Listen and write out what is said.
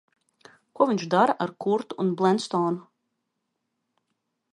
Ko viņš dara ar Kurtu un Blenstonu?